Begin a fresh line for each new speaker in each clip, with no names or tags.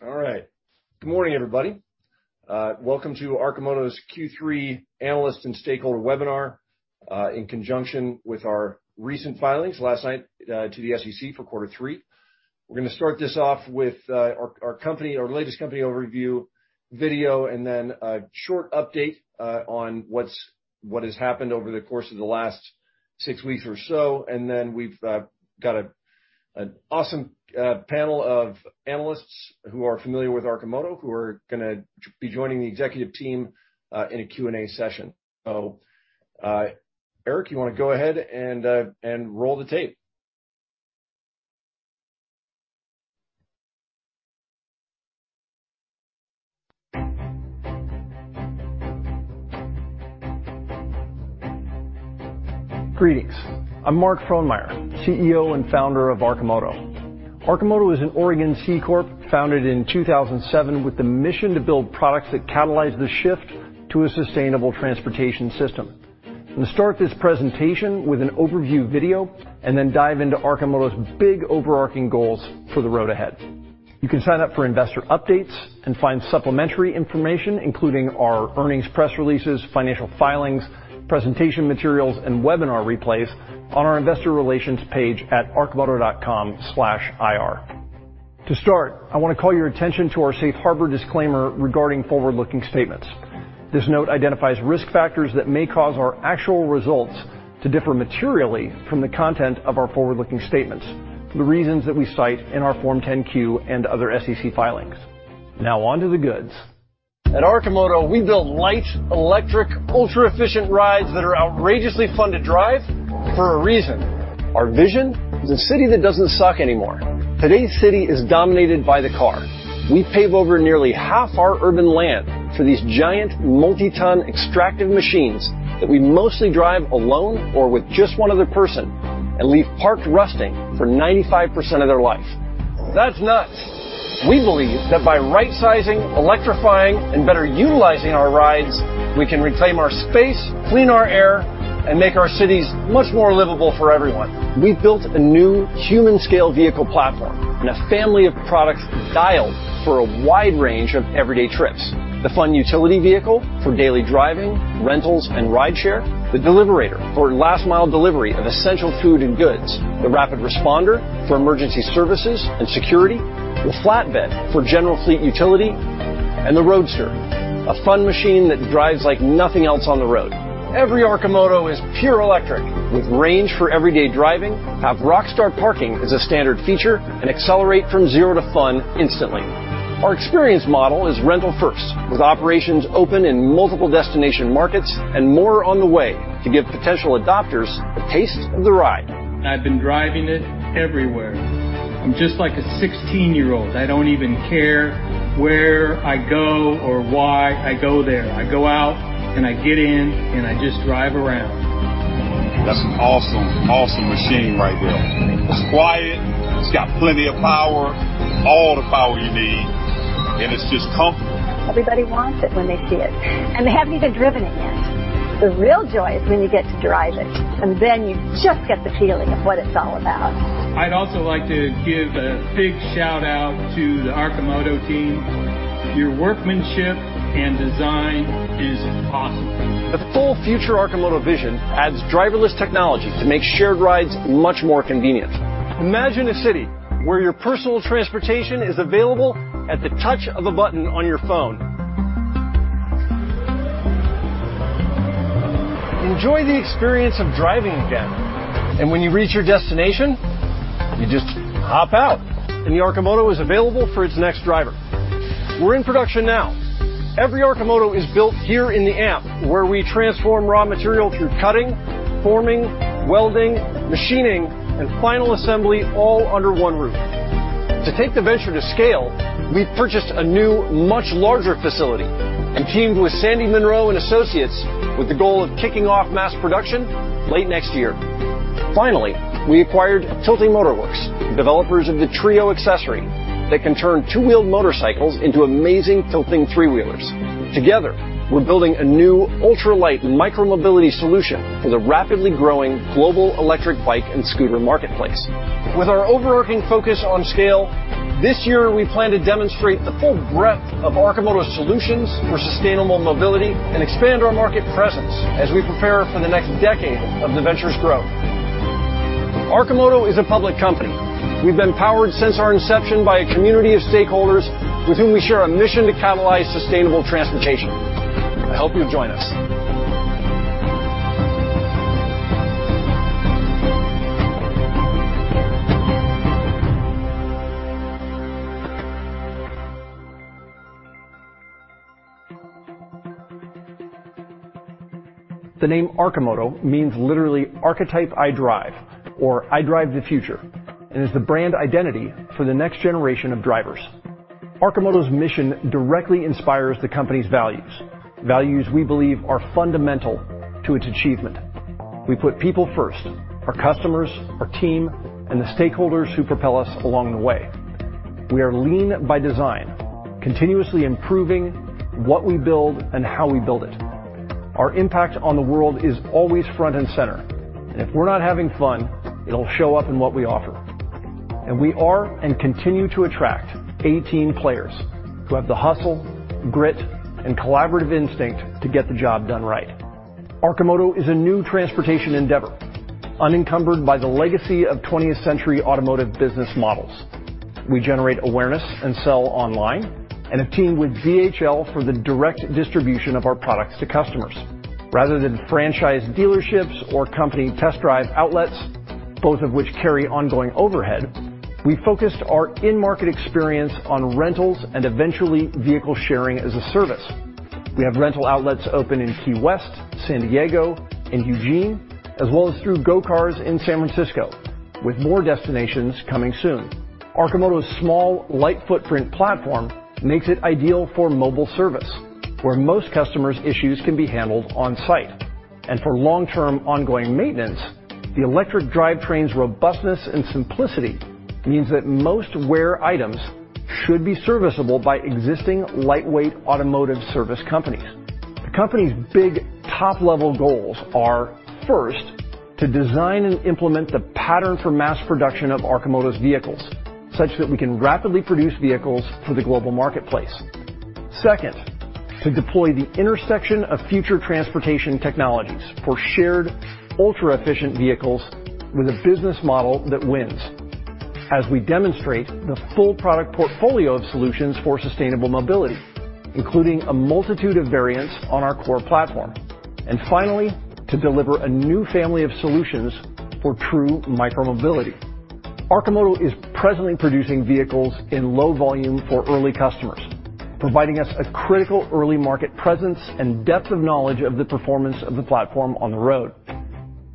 All right. Good morning, everybody. Welcome to Arcimoto's Q3 analyst and stakeholder webinar in conjunction with our recent filings last night to the SEC for quarter three. We're gonna start this off with our latest company overview video, and then a short update on what has happened over the course of the last six weeks or so. We've got an awesome panel of analysts who are familiar with Arcimoto, who are gonna be joining the executive team in a Q&A session. Eric, you wanna go ahead and roll the tape? Greetings. I'm Mark Frohnmayer, CEO and Founder of Arcimoto. Arcimoto is an Oregon C corp founded in 2007 with the mission to build products that catalyze the shift to a sustainable transportation system. I'm gonna start this presentation with an overview video and then dive into Arcimoto's big overarching goals for the road ahead. You can sign up for investor updates and find supplementary information, including our earnings press releases, financial filings, presentation materials, and webinar replays on our investor relations page at arcimoto.com/ir. To start, I wanna call your attention to our safe harbor disclaimer regarding forward-looking statements. This note identifies risk factors that may cause our actual results to differ materially from the content of our forward-looking statements for the reasons that we cite in our Form 10-Q and other SEC filings. Now on to the goods. At Arcimoto, we build light, electric, ultra-efficient rides that are outrageously fun to drive for a reason. Our vision is a city that doesn't suck anymore. Today's city is dominated by the car. We pave over nearly half our urban land for these giant multi-ton extractive machines that we mostly drive alone or with just one other person and leave parked rusting for 95% of their life. That's nuts. We believe that by right-sizing, electrifying, and better utilizing our rides, we can reclaim our space, clean our air, and make our cities much more livable for everyone. We've built a new human-scale vehicle platform and a family of products dialed for a wide range of everyday trips. The Fun Utility Vehicle for daily driving, rentals, and rideshare. The Deliverator for last-mile delivery of essential food and goods. The Rapid Responder for emergency services and security. The Flatbed for general fleet utility. The Roadster, a fun machine that drives like nothing else on the road. Every Arcimoto is pure electric with range for everyday driving, have rockstar parking as a standard feature, and accelerate from zero to fun instantly. Our experience model is rental first, with operations open in multiple destination markets and more on the way to give potential adopters a taste of the ride.
I've been driving it everywhere. I'm just like a 16-year-old. I don't even care where I go or why I go there. I go out, and I get in, and I just drive around. That's an awesome machine right there. It's quiet. It's got plenty of power, all the power you need, and it's just comfortable. Everybody wants it when they see it, and they haven't even driven it yet. The real joy is when you get to drive it, and then you just get the feeling of what it's all about. I'd also like to give a big shout-out to the Arcimoto team. Your workmanship and design is awesome.
The full future Arcimoto vision adds driverless technology to make shared rides much more convenient. Imagine a city where your personal transportation is available at the touch of a button on your phone. Enjoy the experience of driving again. When you reach your destination, you just hop out, and the Arcimoto is available for its next driver. We're in production now. Every Arcimoto is built here in the Amp, where we transform raw material through cutting, forming, welding, machining, and final assembly all under one roof. To take the venture to scale, we purchased a new, much larger facility and teamed with Munro & Associates with the goal of kicking off mass production late next year. Finally, we acquired Tilting Motor Works, developers of the TRiO accessory that can turn two-wheeled motorcycles into amazing tilting three-wheelers. Together, we're building a new ultralight micro-mobility solution for the rapidly growing global electric bike and scooter marketplace. With our overarching focus on scale, this year we plan to demonstrate the full breadth of Arcimoto solutions for sustainable mobility and expand our market presence as we prepare for the next decade of the venture's growth. Arcimoto is a public company. We've been powered since our inception by a community of stakeholders with whom we share a mission to catalyze sustainable transportation. I hope you'll join us. The name Arcimoto means literally archetype I drive or I drive the future and is the brand identity for the next generation of drivers. Arcimoto's mission directly inspires the company's values we believe are fundamental to its achievement. We put people first, our customers, our team, and the stakeholders who propel us along the way. We are lean by design, continuously improving what we build and how we build it. Our impact on the world is always front and center. If we're not having fun, it'll show up in what we offer. We are, and continue to attract 18 players who have the hustle, grit, and collaborative instinct to get the job done right. Arcimoto is a new transportation endeavor, unencumbered by the legacy of twentieth-century automotive business models. We generate awareness and sell online, and have teamed with DHL for the direct distribution of our products to customers. Rather than franchise dealerships or company test drive outlets, both of which carry ongoing overhead, we focused our in-market experience on rentals and eventually vehicle sharing as a service. We have rental outlets open in Key West, San Diego, and Eugene, as well as through GoCar in San Francisco, with more destinations coming soon. Arcimoto's small, light footprint platform makes it ideal for mobile service, where most customers' issues can be handled on-site. For long-term ongoing maintenance, the electric drivetrain's robustness and simplicity means that most wear items should be serviceable by existing lightweight automotive service companies. The company's big top-level goals are, first, to design and implement the pattern for mass production of Arcimoto's vehicles, such that we can rapidly produce vehicles for the global marketplace. Second, to deploy the intersection of future transportation technologies for shared ultra-efficient vehicles with a business model that wins, as we demonstrate the full product portfolio of solutions for sustainable mobility, including a multitude of variants on our core platform. Finally, to deliver a new family of solutions for true micro-mobility. Arcimoto is presently producing vehicles in low volume for early customers, providing us a critical early market presence and depth of knowledge of the performance of the platform on the road.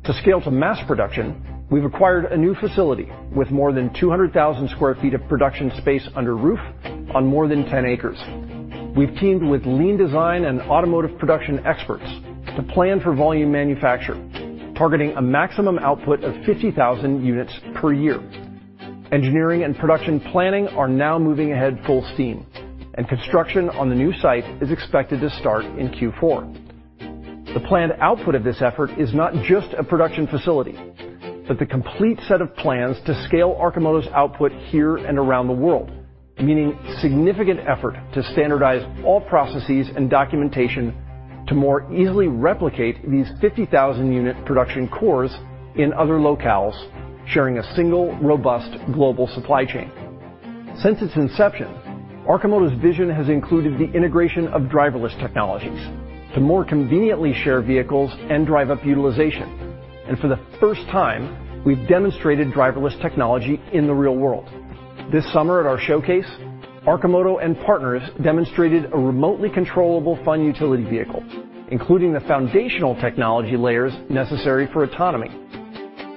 To scale to mass production, we've acquired a new facility with more than 200,000 sq ft of production space under roof on more than 10 acres. We've teamed with lean design and automotive production experts to plan for volume manufacture, targeting a maximum output of 50,000 units per year. Engineering and production planning are now moving ahead full steam, and construction on the new site is expected to start in Q4. The planned output of this effort is not just a production facility, but the complete set of plans to scale Arcimoto's output here and around the world, meaning significant effort to standardize all processes and documentation to more easily replicate these 50,000-unit production cores in other locales, sharing a single, robust global supply chain. Since its inception, Arcimoto's vision has included the integration of driverless technologies to more conveniently share vehicles and drive up utilization. For the first time, we've demonstrated driverless technology in the real world. This summer at our showcase, Arcimoto and partners demonstrated a remotely controllable Fun Utility Vehicle, including the foundational technology layers necessary for autonomy.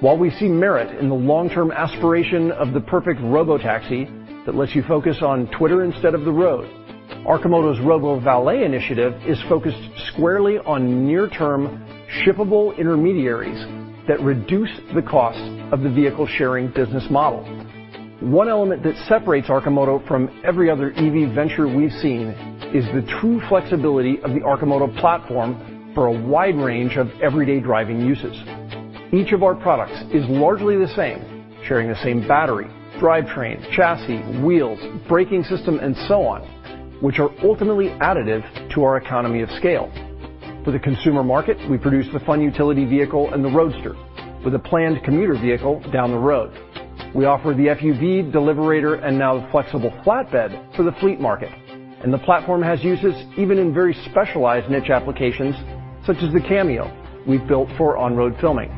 While we see merit in the long-term aspiration of the perfect robotaxi that lets you focus on Twitter instead of the road, Arcimoto's Robo-Valet initiative is focused squarely on near-term shippable intermediaries that reduce the cost of the vehicle-sharing business model. One element that separates Arcimoto from every other EV venture we've seen is the true flexibility of the Arcimoto platform for a wide range of everyday driving uses. Each of our products is largely the same, sharing the same battery, drivetrains, chassis, wheels, braking system, and so on, which are ultimately additive to our economy of scale. For the consumer market, we produce the Fun Utility Vehicle and the Roadster with a planned commuter vehicle down the road. We offer the FUV Deliverator and now the flexible Flatbed for the fleet market, and the platform has uses even in very specialized niche applications, such as the Cameo we've built for on-road filming.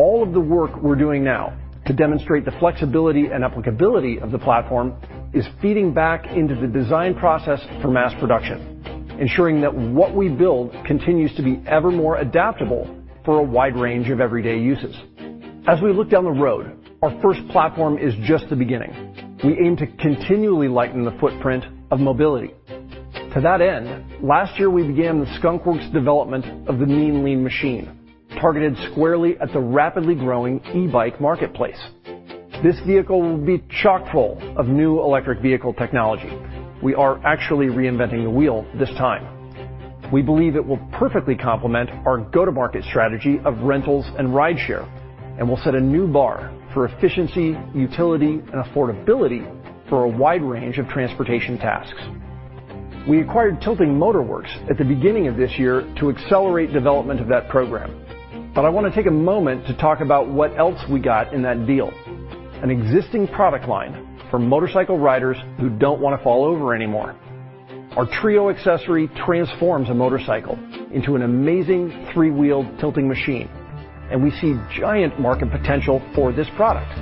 All of the work we're doing now to demonstrate the flexibility and applicability of the platform is feeding back into the design process for mass production, ensuring that what we build continues to be ever more adaptable for a wide range of everyday uses. As we look down the road, our first platform is just the beginning. We aim to continually lighten the footprint of mobility. To that end, last year, we began the skunkworks development of the Mean Lean Machine, targeted squarely at the rapidly growing e-bike marketplace. This vehicle will be chock-full of new electric vehicle technology. We are actually reinventing the wheel this time. We believe it will perfectly complement our go-to-market strategy of rentals and rideshare, and will set a new bar for efficiency, utility, and affordability for a wide range of transportation tasks. We acquired Tilting Motor Works at the beginning of this year to accelerate development of that program. I want to take a moment to talk about what else we got in that deal, an existing product line for motorcycle riders who don't want to fall over anymore. Our TRiO accessory transforms a motorcycle into an amazing three-wheeled tilting machine, and we see giant market potential for this product.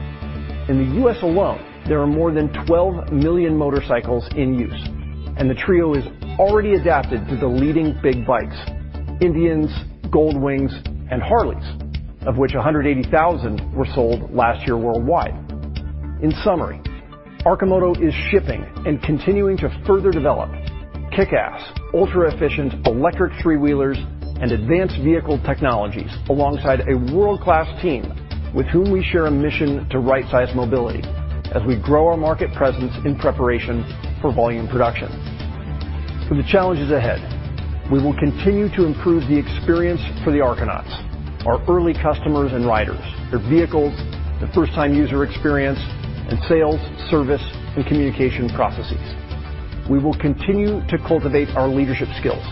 In the U.S. alone, there are more than 12 million motorcycles in use, and the TRiO is already adapted to the leading big bikes, Indians, Gold Wings, and Harleys, of which 180,000 were sold last year worldwide. In summary, Arcimoto is shipping and continuing to further develop kickass, ultra-efficient electric three-wheelers and advanced vehicle technologies alongside a world-class team with whom we share a mission to right-size mobility as we grow our market presence in preparation for volume production. For the challenges ahead, we will continue to improve the experience for the Arconauts, our early customers and riders, their vehicles, the first-time user experience, and sales, service, and communication processes. We will continue to cultivate our leadership skills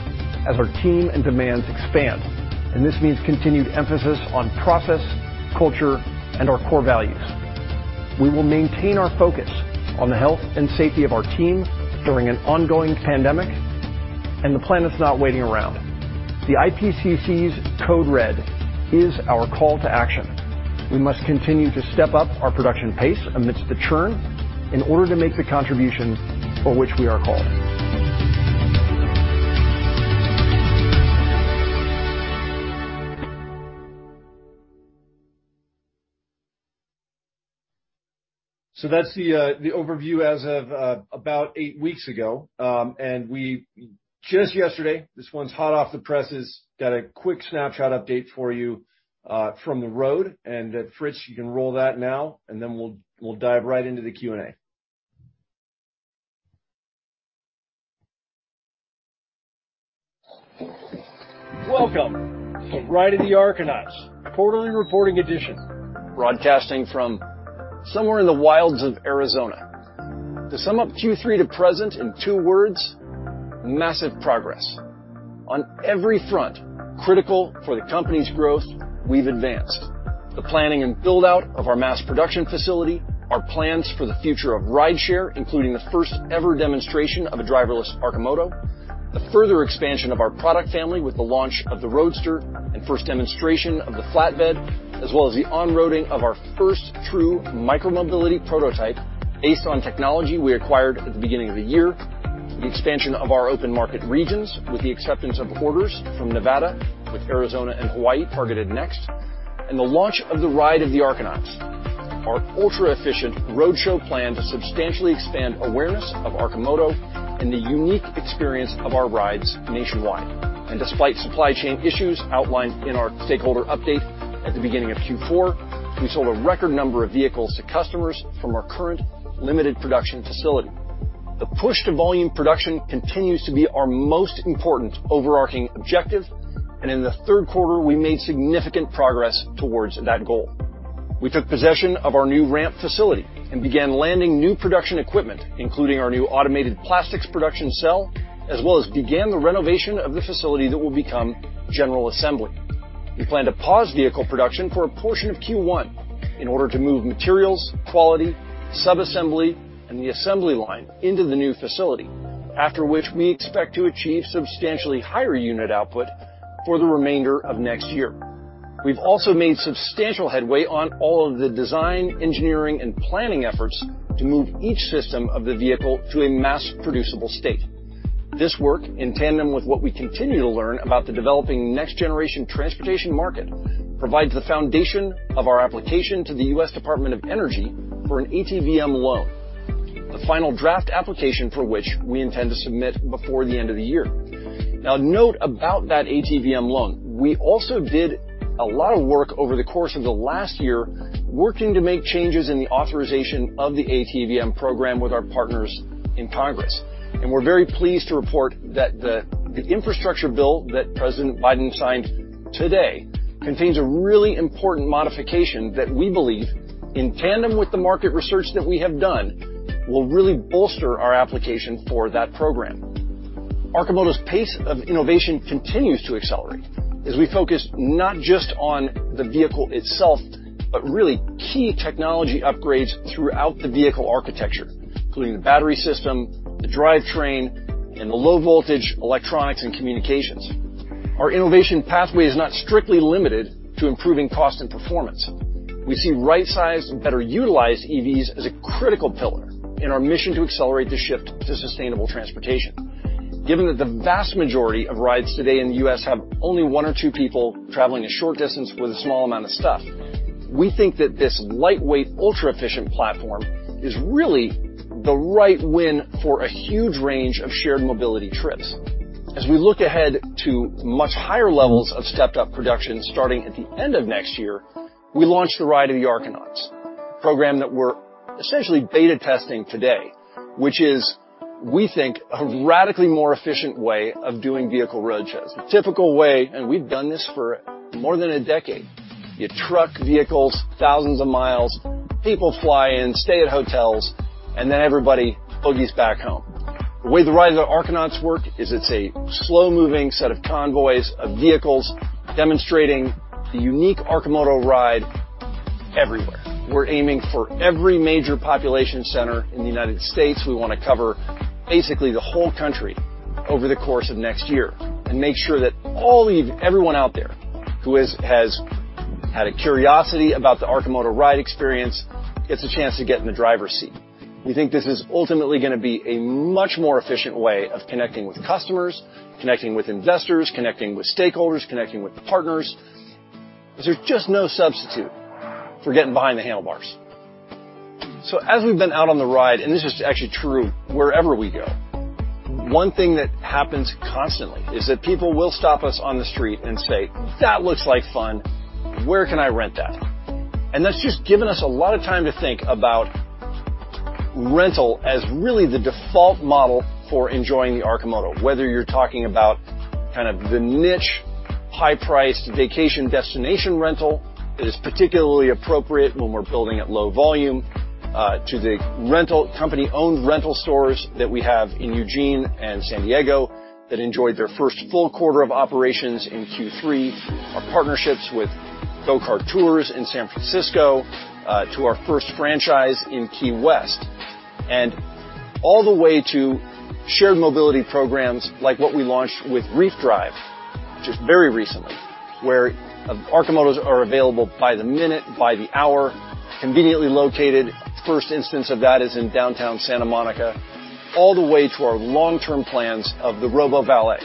as our team and demands expand, and this means continued emphasis on process, culture, and our core values. We will maintain our focus on the health and safety of our team during an ongoing pandemic, and the planet's not waiting around. The IPCC's code red is our call to action. We must continue to step up our production pace amidst the churn in order to make the contribution for which we are called. That's the overview as of about eight weeks ago. We just yesterday, this one's hot off the presses, got a quick snapshot update for you from the road. Fritz, you can roll that now, and then we'll dive right into the Q&A. Welcome to Ride of the Arconauts, quarterly reporting edition, broadcasting from somewhere in the wilds of Arizona. To sum up Q3 to present in two words: massive progress. On every front critical for the company's growth, we've advanced. The planning and build-out of our mass production facility, our plans for the future of rideshare, including the first ever demonstration of a driverless Arcimoto, the further expansion of our product family with the launch of the Roadster and first demonstration of the Flatbed, as well as the on-roading of our first true micromobility prototype based on technology we acquired at the beginning of the year. The expansion of our open market regions with the acceptance of orders from Nevada with Arizona and Hawaii targeted next. The launch of the Ride of the Arconauts, our ultra-efficient roadshow plan to substantially expand awareness of Arcimoto and the unique experience of our rides nationwide. Despite supply chain issues outlined in our stakeholder update at the beginning of Q4, we sold a record number of vehicles to customers from our current limited production facility. The push to volume production continues to be our most important overarching objective, and in the third quarter, we made significant progress towards that goal. We took possession of our new ramp facility and began landing new production equipment, including our new automated plastics production cell, as well as began the renovation of the facility that will become general assembly. We plan to pause vehicle production for a portion of Q1 in order to move materials, quality, sub-assembly, and the assembly line into the new facility, after which we expect to achieve substantially higher unit output for the remainder of next year. We've also made substantial headway on all of the design, engineering, and planning efforts to move each system of the vehicle to a mass producible state. This work, in tandem with what we continue to learn about the developing next generation transportation market, provides the foundation of our application to the U.S. Department of Energy for an ATVM loan, the final draft application for which we intend to submit before the end of the year. Now, note about that ATVM loan, we also did a lot of work over the course of the last year working to make changes in the authorization of the ATVM program with our partners in Congress. We're very pleased to report that the infrastructure bill that President Biden signed today contains a really important modification that we believe, in tandem with the market research that we have done, will really bolster our application for that program. Arcimoto's pace of innovation continues to accelerate as we focus not just on the vehicle itself, but really key technology upgrades throughout the vehicle architecture, including the battery system, the drivetrain, and the low voltage electronics and communications. Our innovation pathway is not strictly limited to improving cost and performance. We see right-sized and better utilized EVs as a critical pillar in our mission to accelerate the shift to sustainable transportation. Given that the vast majority of rides today in the U.S. have only one or two people traveling a short distance with a small amount of stuff, we think that this lightweight, ultra-efficient platform is really the right win for a huge range of shared mobility trips. As we look ahead to much higher levels of stepped-up production starting at the end of next year, we launched the Ride of the Arconauts program that we're essentially beta testing today, which is, we think, a radically more efficient way of doing vehicle road shows. The typical way, and we've done this for more than a decade, you truck vehicles thousands of miles, people fly in, stay at hotels, and then everybody boogies back home. The way the Ride of the Arconauts work is it's a slow-moving set of convoys of vehicles demonstrating the unique Arcimoto ride everywhere. We're aiming for every major population center in the United States. We wanna cover basically the whole country over the course of next year and make sure that all everyone out there has had a curiosity about the Arcimoto ride experience gets a chance to get in the driver's seat. We think this is ultimately gonna be a much more efficient way of connecting with customers, connecting with investors, connecting with stakeholders, connecting with partners. 'Cause there's just no substitute for getting behind the handlebars. As we've been out on the ride, and this is actually true wherever we go. One thing that happens constantly is that people will stop us on the street and say, "That looks like fun. Where can I rent that?" That's just given us a lot of time to think about rental as really the default model for enjoying the Arcimoto. Whether you're talking about kind of the niche, high-priced vacation destination rental, that is particularly appropriate when we're building at low volume, to the rental company-owned rental stores that we have in Eugene and San Diego that enjoyed their first full quarter of operations in Q3. Our partnerships with GoCar Tours in San Francisco, to our first franchise in Key West. All the way to shared mobility programs like what we launched with REEFDrive just very recently, where Arcimotos are available by the minute, by the hour, conveniently located. First instance of that is in downtown Santa Monica, all the way to our long-term plans of the Robo-Valet,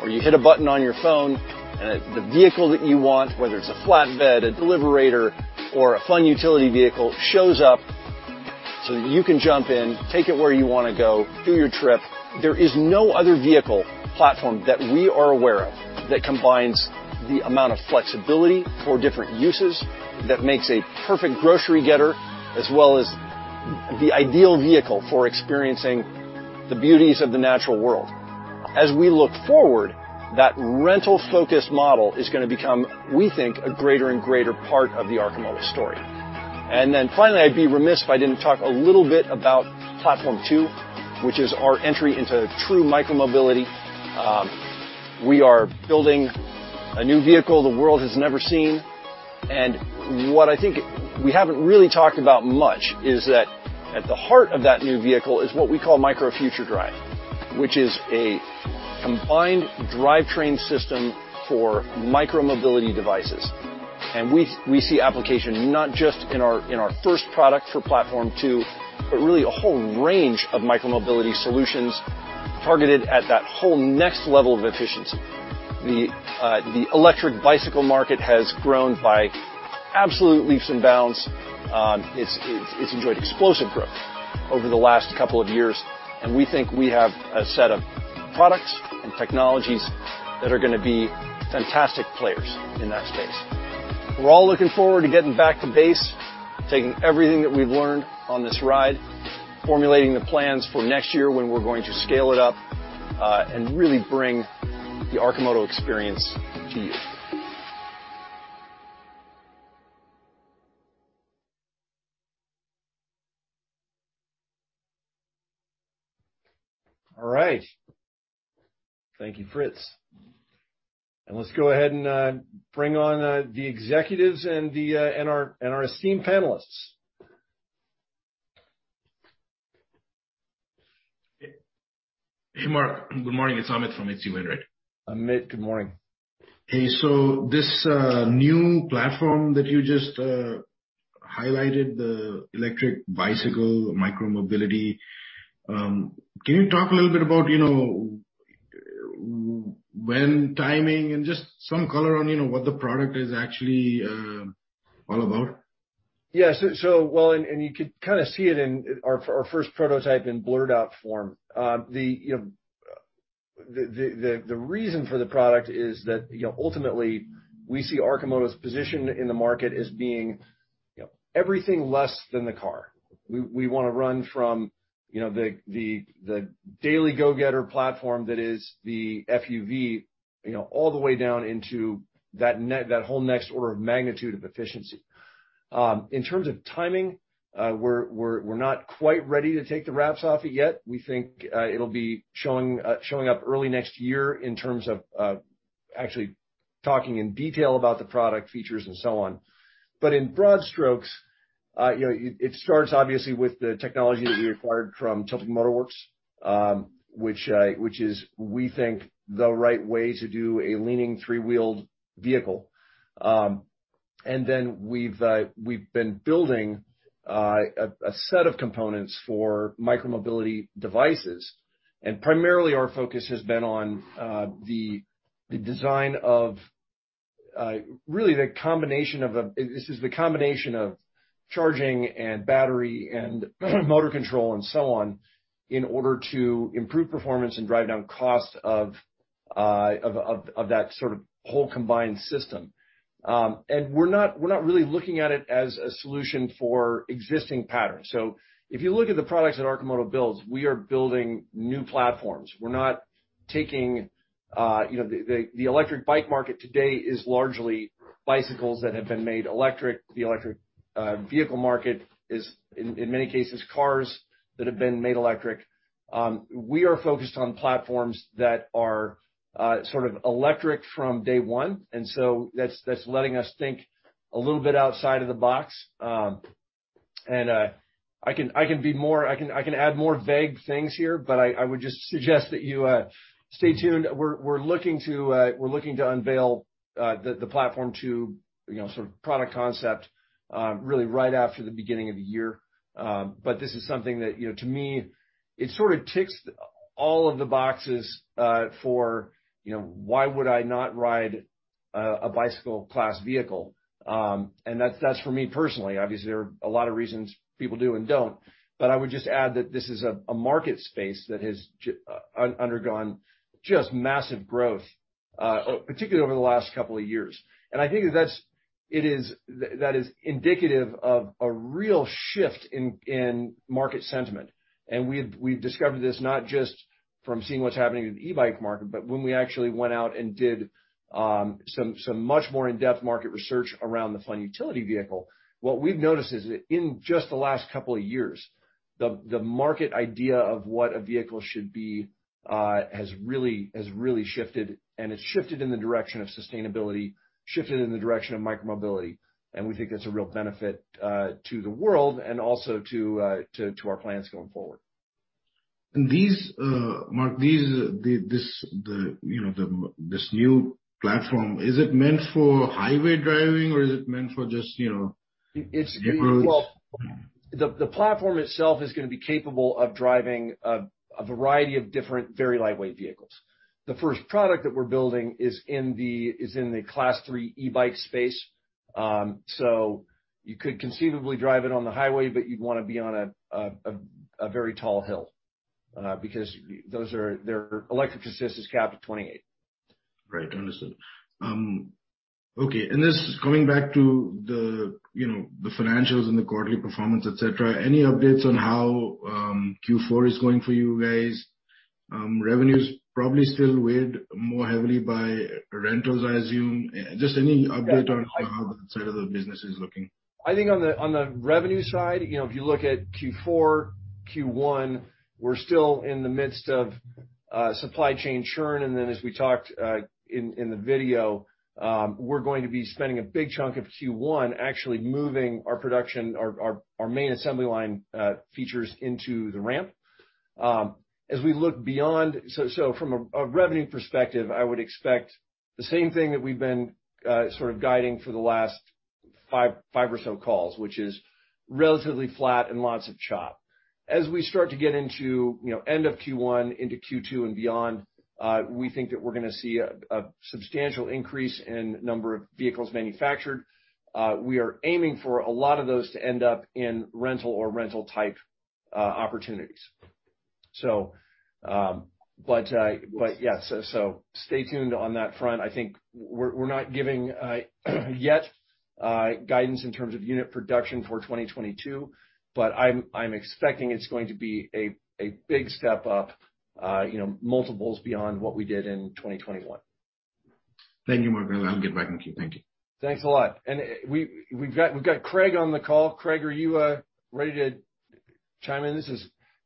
where you hit a button on your phone and the vehicle that you want, whether it's a Flatbed, a Deliverator, or a Fun Utility Vehicle, shows up so that you can jump in, take it where you wanna go, do your trip. There is no other vehicle platform that we are aware of that combines the amount of flexibility for different uses, that makes a perfect grocery getter, as well as the ideal vehicle for experiencing the beauties of the natural world. As we look forward, that rental-focused model is gonna become, we think, a greater and greater part of the Arcimoto story. Finally, I'd be remiss if I didn't talk a little bit about Platform 2, which is our entry into true micromobility. We are building a new vehicle the world has never seen, and what I think we haven't really talked about much is that at the heart of that new vehicle is what we call Micro Future Drive, which is a combined drivetrain system for micromobility devices. We see application not just in our first product for Platform Two, but really a whole range of micromobility solutions targeted at that whole next level of efficiency. The electric bicycle market has grown by absolute leaps and bounds. It's enjoyed explosive growth over the last couple of years, and we think we have a set of products and technologies that are gonna be fantastic players in that space. We're all looking forward to getting back to base, taking everything that we've learned on this ride, formulating the plans for next year when we're going to scale it up, and really bring the Arcimoto experience to you. All right. Thank you, Fritz. Let's go ahead and bring on the executives and our esteemed panelists.
Hey, Mark. Good morning. It's Amit from H.C. Wainwright.
Amit, good morning.
Hey, this new platform that you just highlighted, the electric bicycle, micromobility, can you talk a little bit about, you know, when timing and just some color on, you know, what the product is actually all about?
Yeah. Well, and you could kinda see it in our first prototype in blurred out form. The reason for the product is that, you know, ultimately we see Arcimoto's position in the market as being, you know, everything less than the car. We wanna run from, you know, the daily go-getter platform that is the FUV, you know, all the way down into that whole next order of magnitude of efficiency. In terms of timing, we're not quite ready to take the wraps off it yet. We think it'll be showing up early next year in terms of actually talking in detail about the product features and so on. In broad strokes, you know, it starts obviously with the technology that we acquired from Tilting Motor Works, which is, we think, the right way to do a leaning three-wheeled vehicle. We've been building a set of components for micromobility devices, and primarily our focus has been on the design of really the combination of charging and battery and motor control and so on in order to improve performance and drive down costs of that sort of whole combined system. We're not really looking at it as a solution for existing patterns. If you look at the products that Arcimoto builds, we are building new platforms. You know, the electric bike market today is largely bicycles that have been made electric. The electric vehicle market is in many cases cars that have been made electric. We are focused on platforms that are sort of electric from day one, and so that's letting us think a little bit outside of the box. I can add more vague things here, but I would just suggest that you stay tuned. We're looking to unveil the Platform 2, you know, sort of product concept really right after the beginning of the year. This is something that, you know, to me, it sorta ticks all of the boxes for, you know, why would I not ride a bicycle class vehicle. That's for me personally. Obviously, there are a lot of reasons people do and don't. I would just add that this is a market space that has undergone just massive growth, particularly over the last couple of years. I think that that is indicative of a real shift in market sentiment. We've discovered this not just from seeing what's happening in the e-bike market, but when we actually went out and did some much more in-depth market research around the Fun Utility Vehicle. What we've noticed is that in just the last couple of years, the market idea of what a vehicle should be has really shifted, and it's shifted in the direction of sustainability, shifted in the direction of micro-mobility. We think that's a real benefit to the world and also to our plans going forward.
Mark, this new platform, is it meant for highway driving, or is it meant for just, you know-
Well, the platform itself is gonna be capable of driving a variety of different very lightweight vehicles. The first product that we're building is in the class three e-bike space. You could conceivably drive it on the highway, but you'd wanna be on a very tall hill because those are their electric assist is capped at 28.
Right. Understood. Okay. This coming back to the, you know, the financials and the quarterly performance, et cetera, any updates on how Q4 is going for you guys? Revenues probably still weighed more heavily by rentals, I assume. Just any update on-
Yeah.
how the rest of the business is looking.
I think on the revenue side, you know, if you look at Q4, Q1, we're still in the midst of a supply chain churn, and then as we talked in the video, we're going to be spending a big chunk of Q1 actually moving our production, our main assembly line features into the ramp. As we look beyond from a revenue perspective, I would expect the same thing that we've been sort of guiding for the last five or so calls, which is relatively flat and lots of chop. As we start to get into, you know, end of Q1 into Q2 and beyond, we think that we're gonna see a substantial increase in number of vehicles manufactured. We are aiming for a lot of those to end up in rental or rental type opportunities. Stay tuned on that front. I think we're not giving yet guidance in terms of unit production for 2022, but I'm expecting it's going to be a big step up, you know, multiples beyond what we did in 2021.
Thank you, Mark. I'll get back in queue. Thank you.
Thanks a lot. We've got Craig on the call. Craig, are you ready to chime in?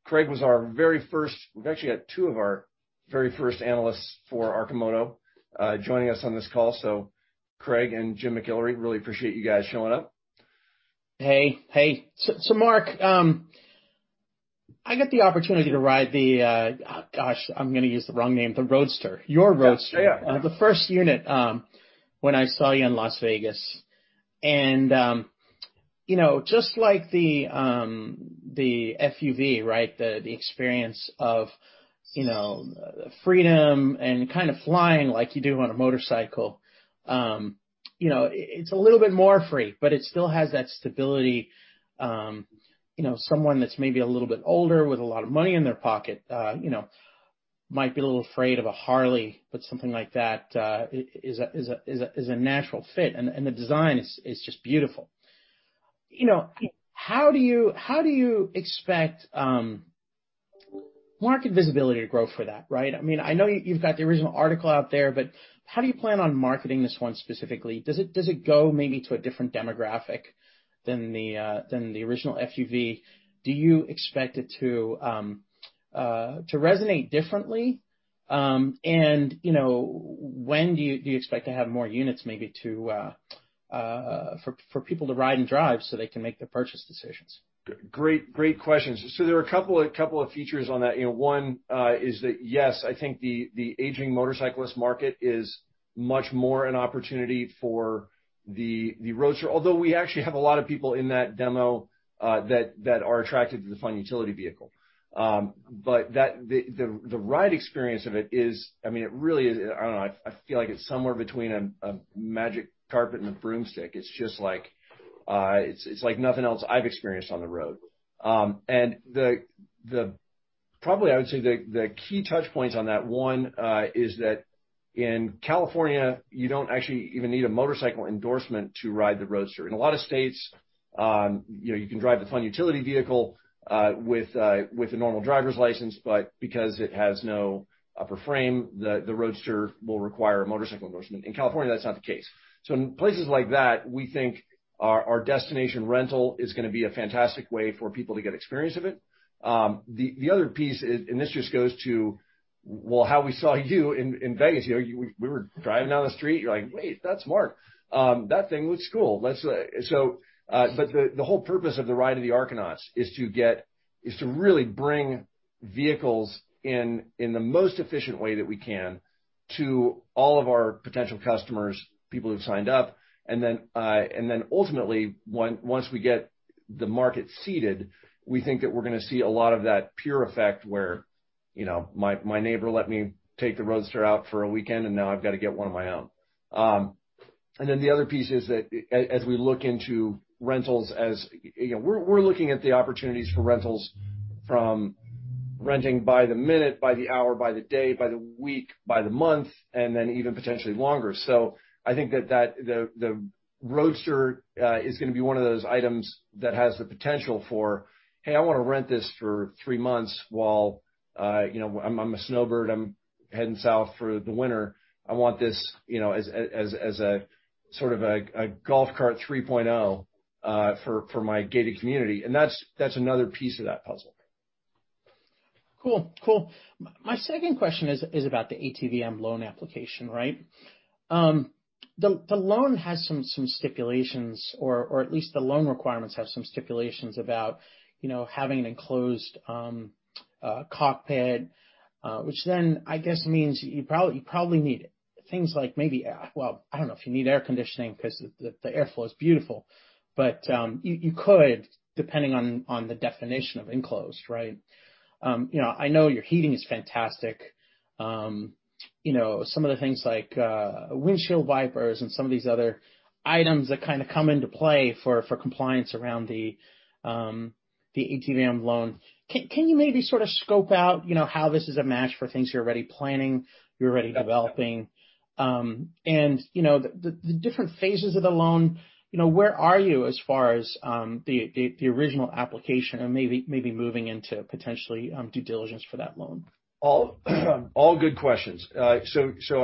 Craig was our very first. We've actually got two of our very first analysts for Arcimoto joining us on this call, so Craig and Jim McIlree. Really appreciate you guys showing up.
Hey. Mark, I got the opportunity to ride the Roadster. Gosh, I'm gonna use the wrong name. The Roadster. Your Roadster.
Yeah. Yeah.
The first unit when I saw you in Las Vegas. You know, just like the FUV, right? The experience of, you know, freedom and kinda flying like you do on a motorcycle, you know, it's a little bit more free, but it still has that stability. You know someone that's maybe a little bit older with a lot of money in their pocket, you know, might be a little afraid of a Harley, but something like that is a natural fit, and the design is just beautiful. You know, how do you expect market visibility to grow for that, right? I mean, I know you've got the original article out there, but how do you plan on marketing this one specifically? Does it go maybe to a different demographic than the original FUV? Do you expect it to resonate differently? You know, when do you expect to have more units maybe to for people to ride and drive so they can make the purchase decisions?
Great, great questions. There are a couple of features on that. You know, one is that, yes, I think the aging motorcyclist market is much more an opportunity for the Roadster. Although we actually have a lot of people in that demo that are attracted to the Fun Utility Vehicle. The ride experience of it is, I mean, it really is, I don't know, I feel like it's somewhere between a magic carpet and a broomstick. It's just like, it's like nothing else I've experienced on the road. Probably I would say the key touch points on that one is that in California, you don't actually even need a motorcycle endorsement to ride the Roadster. In a lot of states, you know, you can drive the Fun Utility Vehicle with a normal driver's license, but because it has no upper frame, the Roadster will require a motorcycle endorsement. In California, that's not the case. So in places like that, we think our destination rental is gonna be a fantastic way for people to get experience of it. The other piece is this just goes to well, how we saw you in Vegas. You know, we were driving down the street, you're like, "Wait, that's Mark. That thing looks cool. But the whole purpose of the Ride of the Arconauts is to really bring vehicles in the most efficient way that we can to all of our potential customers, people who've signed up, and then ultimately, once we get the market seated, we think that we're gonna see a lot of that peer effect where you know, my neighbor let me take the Roadster out for a weekend, and now I've gotta get one of my own. The other piece is that as we look into rentals, you know, we're looking at the opportunities for rentals from renting by the minute, by the hour, by the day, by the week, by the month, and then even potentially longer. I think that the Roadster is gonna be one of those items that has the potential for, "Hey, I wanna rent this for three months while you know, I'm a snowbird. I'm heading south for the winter. I want this you know, as a sort of a golf cart 3.0 for my gated community." That's another piece of that puzzle.
Cool, cool. My second question is about the ATVM loan application, right? The loan has some stipulations, or at least the loan requirements have some stipulations about, you know, having an enclosed cockpit, which then I guess means you probably need things like. Well, I don't know if you need air conditioning 'cause the airflow is beautiful, but you could, depending on the definition of enclosed, right? You know, I know your heating is fantastic. You know, some of the things like windshield wipers and some of these other items that kind of come into play for compliance around the ATVM loan. Can you maybe sort of scope out, you know, how this is a match for things you're already planning, you're already developing? You know, the different phases of the loan, you know, where are you as far as the original application and maybe moving into potentially due diligence for that loan?
All good questions. I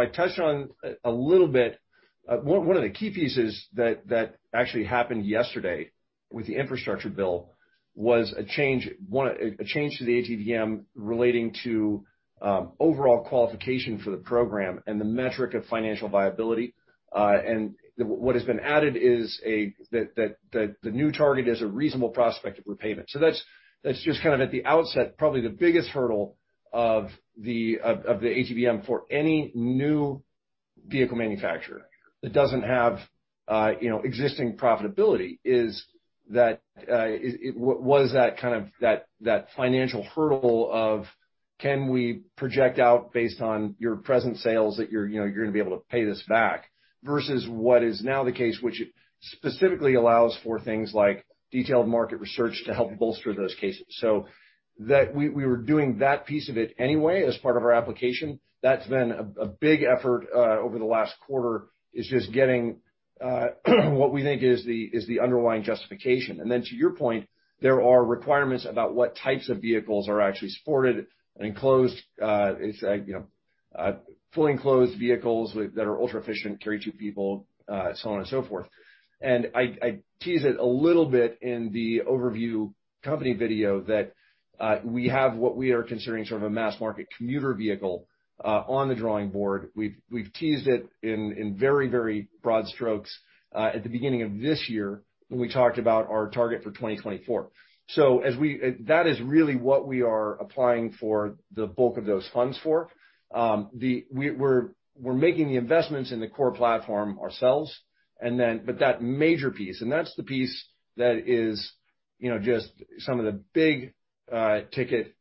touched on a little bit. One of the key pieces that actually happened yesterday with the infrastructure bill was a change to the ATVM relating to overall qualification for the program and the metric of financial viability. What has been added is that the new target is a reasonable prospect of repayment. That's just kind of at the outset probably the biggest hurdle of the ATVM for any new vehicle manufacturer that doesn't have, you know, existing profitability, is that that financial hurdle of can we project out based on your present sales that you're, you know, you're gonna be able to pay this back versus what is now the case, which specifically allows for things like detailed market research to help bolster those cases. That we were doing that piece of it anyway as part of our application. That's been a big effort over the last quarter, is just getting what we think is the underlying justification. Then to your point, there are requirements about what types of vehicles are actually supported and enclosed. It's, you know, fully enclosed vehicles that are ultra-efficient, carry two people, so on and so forth. I teased it a little bit in the overview company video that we have what we are considering sort of a mass market commuter vehicle on the drawing board. We've teased it in very broad strokes at the beginning of this year when we talked about our target for 2024. That is really what we are applying for the bulk of those funds for. We're making the investments in the core platform ourselves, but that major piece, and that's the piece that is, you know, just some of the big-ticket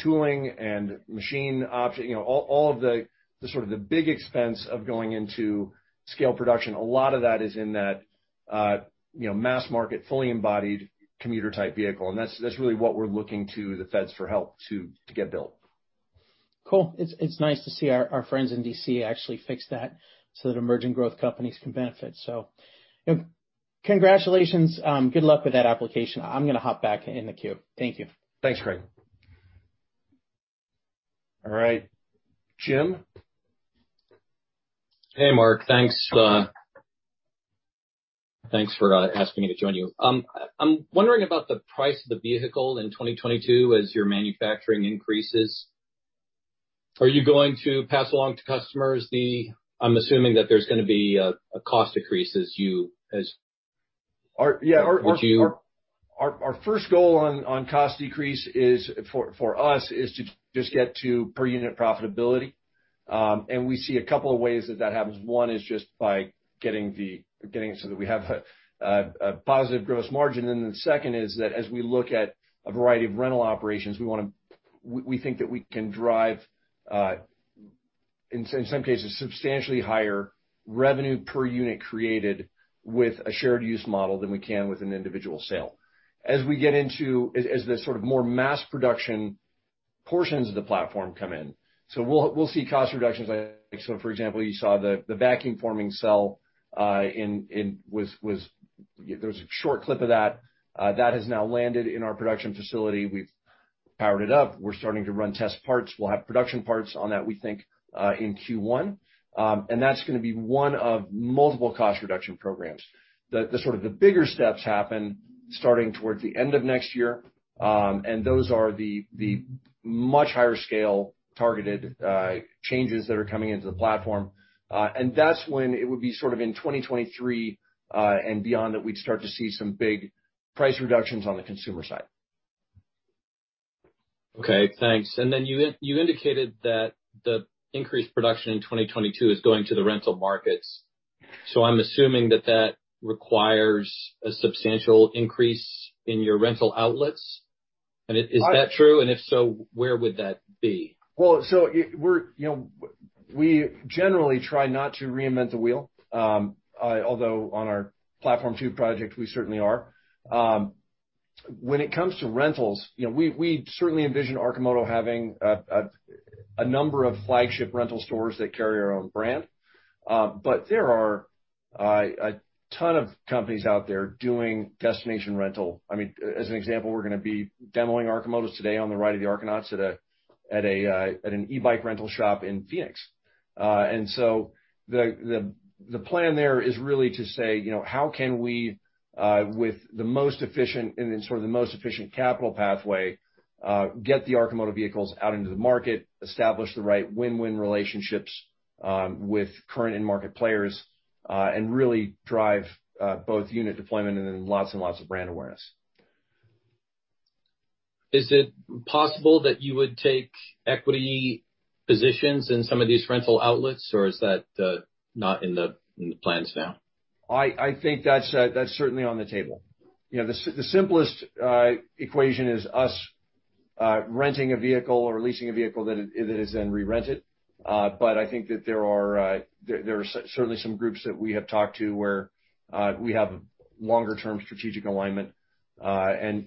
tooling and machine opt-, you know, all of the sort of the big expense of going into scale production. A lot of that is in that, you know, mass market, fully embodied commuter-type vehicle, and that's really what we're looking to the Feds for help to get built.
Cool. It's nice to see our friends in D.C. actually fix that so that emerging growth companies can benefit. Congratulations. Good luck with that application. I'm gonna hop back in the queue. Thank you.
Thanks, Craig. All right, Jim.
Hey, Mark. Thanks for asking me to join you. I'm wondering about the price of the vehicle in 2022 as your manufacturing increases. Are you going to pass along to customers the. I'm assuming that there's gonna be a cost decrease as you.
Yeah. Our.
Would you-
Our first goal on cost decrease is for us to just get to per unit profitability. We see a couple of ways that happens. One is just by getting it so that we have a positive gross margin. The second is that as we look at a variety of rental operations, we think that we can drive in some cases substantially higher revenue per unit created with a shared use model than we can with an individual sale as the sort of more mass production portions of the platform come in. We'll see cost reductions like, for example, you saw the vacuum forming cell, you know, there was a short clip of that. That has now landed in our production facility. We've powered it up. We're starting to run test parts. We'll have production parts on that, we think, in Q1. That's gonna be one of multiple cost reduction programs. The sort of bigger steps happen starting towards the end of next year, and those are the much higher scale targeted changes that are coming into the platform. That's when it would be sort of in 2023, and beyond that we'd start to see some big price reductions on the consumer side.
Okay, thanks. You indicated that the increased production in 2022 is going to the rental markets. I'm assuming that requires a substantial increase in your rental outlets. Is that true? If so, where would that be?
We generally try not to reinvent the wheel, although on our Platform 2 project, we certainly are. When it comes to rentals, you know, we certainly envision Arcimoto having a number of flagship rental stores that carry our own brand. There are a ton of companies out there doing destination rental. I mean, as an example, we're gonna be demoing Arcimotos today on the Ride of the Arconauts at an e-bike rental shop in Phoenix. The plan there is really to say, you know, how can we, with the most efficient capital pathway, get the Arcimoto vehicles out into the market, establish the right win-win relationships, with current and market players, and really drive both unit deployment and then lots and lots of brand awareness.
Is it possible that you would take equity positions in some of these rental outlets, or is that not in the plans now?
I think that's certainly on the table. You know, the simplest equation is us renting a vehicle or leasing a vehicle that is then re-rented. I think that there are certainly some groups that we have talked to where we have longer term strategic alignment. You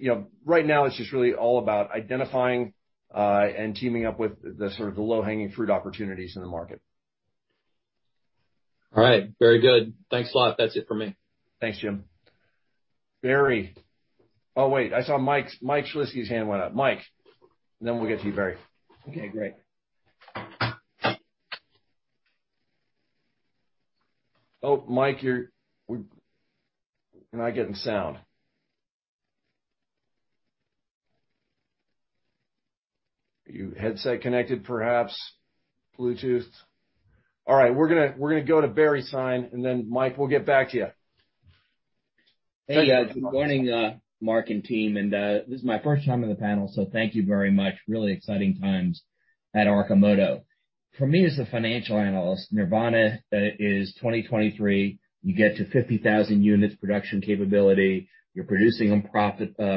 know, right now it's just really all about identifying and teaming up with the sort of low-hanging fruit opportunities in the market.
All right. Very good. Thanks a lot. That's it for me.
Thanks, Jim. Barry. Oh, wait, I saw Mike's, Mike Shlisky's hand went up. Mike, and then we'll get to you, Barry.
Okay, great.
Oh, Mike, we're not getting sound. Are you headset connected, perhaps? Bluetooth? All right, we're gonna go to Barry Sine, and then Mike, we'll get back to you.
Hey, guys. Good morning, Mark and team, and this is my first time on the panel, so thank you very much. Really exciting times at Arcimoto. For me, as a financial analyst, nirvana is 2023, you get to 50,000 units production capability, you're producing them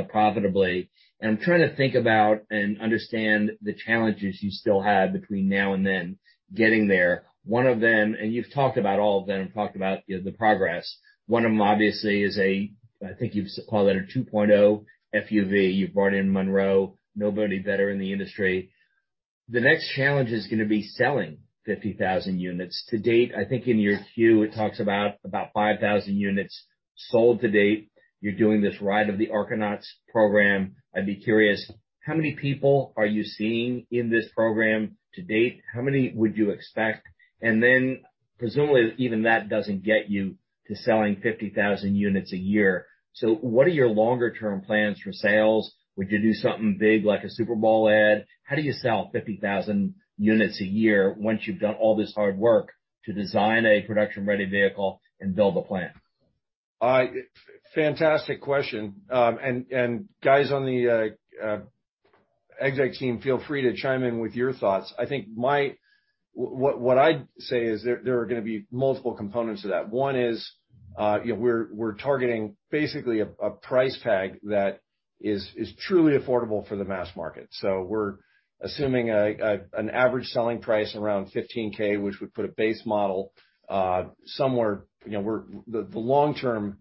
profitably. I'm trying to think about and understand the challenges you still have between now and then getting there. One of them, you've talked about all of them, the progress. One of them obviously is, I think you've called it a 2.0 FUV. You've brought in Munro, nobody better in the industry. The next challenge is gonna be selling 50,000 units. To date, I think in your Q, it talks about 5,000 units sold to date. You're doing this Ride of the Arconauts program. I'd be curious, how many people are you seeing in this program to date? How many would you expect? Presumably, even that doesn't get you to selling 50,000 units a year. What are your longer term plans for sales? Would you do something big like a Super Bowl ad? How do you sell 50,000 units a year once you've done all this hard work to design a production-ready vehicle and build a plan?
Fantastic question. Guys on the exec team, feel free to chime in with your thoughts. I think what I'd say is there are gonna be multiple components to that. One is, you know, we're targeting basically an average selling price around $15,000, which would put a base model somewhere, you know, where the long-term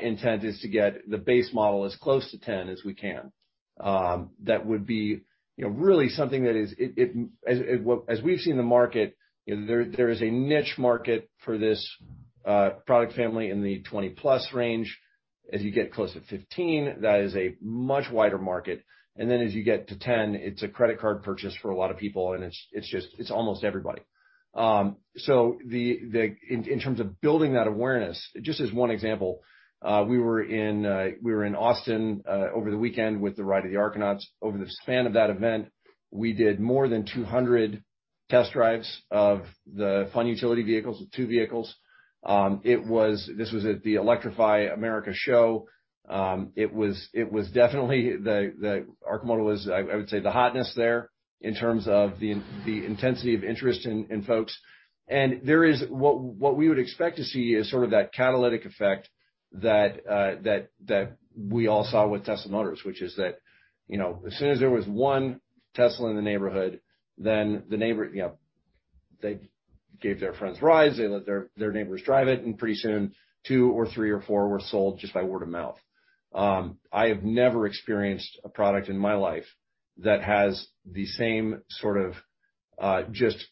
intent is to get the base model as close to $10,000 as we can. That would be, you know, really something that is it. As we've seen the market, you know, there is a niche market for this product family in the 20+ range. As you get close to $15,000, that is a much wider market. As you get to 10, it's a credit card purchase for a lot of people, and it's just almost everybody. In terms of building that awareness, just as one example, we were in Austin over the weekend with the Ride of the Arconauts. Over the span of that event, we did more than 200 test drives of the Fun Utility Vehicles, the two vehicles. This was at the Electrify Expo. It was definitely the Arcimoto, I would say, the hotness there in terms of the intensity of interest in folks. What we would expect to see is sort of that catalytic effect that we all saw with Tesla Motors, which is that, you know, as soon as there was one Tesla in the neighborhood, then the neighbor, you know, they gave their friends rides, they let their neighbors drive it, and pretty soon, two or three or four were sold just by word of mouth. I have never experienced a product in my life that has the same sort of just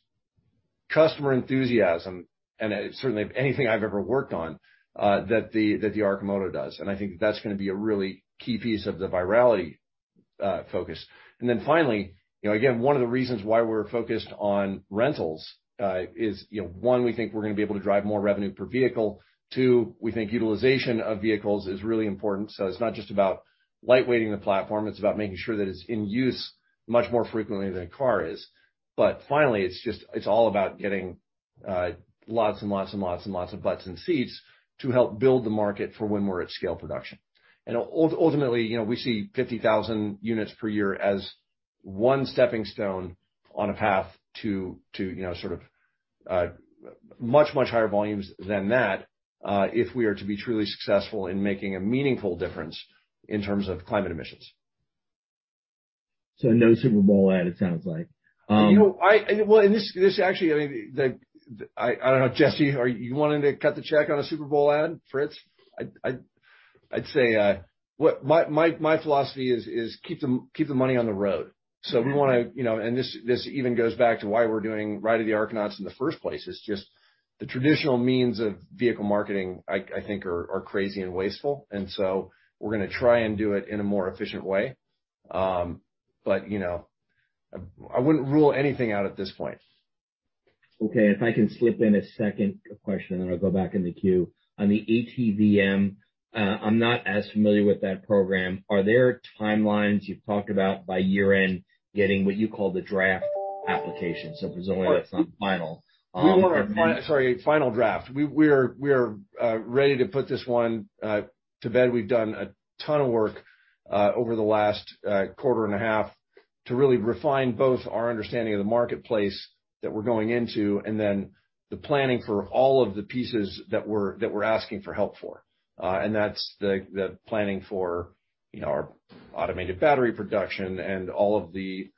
customer enthusiasm, and certainly anything I've ever worked on, that the Arcimoto does. I think that's gonna be a really key piece of the virality focus. Then finally, you know, again, one of the reasons why we're focused on rentals is, you know, one, we think we're gonna be able to drive more revenue per vehicle. Two, we think utilization of vehicles is really important, so it's not just about light weighting the platform, it's about making sure that it's in use much more frequently than a car is. Finally, it's just all about getting lots of butts in seats to help build the market for when we're at scale production. Ultimately, you know, we see 50,000 units per year as one stepping stone on a path to, you know, sort of, much, much higher volumes than that, if we are to be truly successful in making a meaningful difference in terms of climate emissions.
No Super Bowl ad, it sounds like.
You know, well, this actually, I mean, I don't know, Jesse, are you wanting to cut the check on a Super Bowl ad, Fritz? I'd say what my philosophy is, keep the money on the road.
Mm-hmm.
We wanna, you know. This even goes back to why we're doing Ride of the Arconauts in the first place. It's just the traditional means of vehicle marketing, I think are crazy and wasteful. We're gonna try and do it in a more efficient way. You know, I wouldn't rule anything out at this point.
Okay. If I can slip in a second question, and then I'll go back in the queue. On the ATVM, I'm not as familiar with that program. Are there timelines you've talked about by year-end getting what you call the draft application? If there's only a final,
Sorry, final draft. We're ready to put this one to bed. We've done a ton of work over the last quarter and a half to really refine both our understanding of the marketplace that we're going into, and then the planning for all of the pieces that we're asking for help for. That's the planning for, you know, our automated battery production and all of the